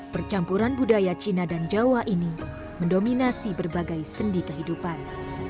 percampuran budaya cina dan jawa ini mendominasi berbagai sendi kehidupan